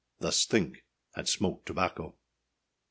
Thus think, and smoke tobacco.